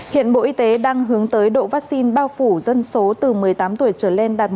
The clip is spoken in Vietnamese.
hiện bộ y tế đang hướng tới độ vaccine bao phủ dân số từ một mươi tám tuổi trở lên đạt một trăm linh